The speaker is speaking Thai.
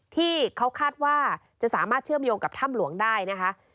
ที่เขาคาดว่าจะสามารถเชื่อมโยงกับถ้ำหลวงได้นะคะ